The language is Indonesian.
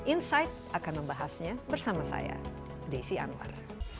insight akan membahasnya bersama saya desi anwar